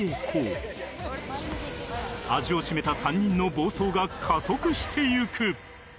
味を占めた３人の暴走が加速していく